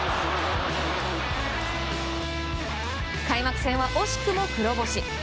開幕戦は惜しくも黒星。